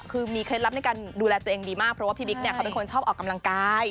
คือมีเคล็ดลับในการดูแลตัวเองดีมากเพราะว่าพี่บิ๊กเนี่ยเขาเป็นคนชอบออกกำลังกาย